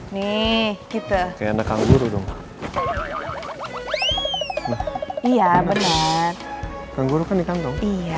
nih kita kayaknya kangguru iya bener kangguru kan dikandung iya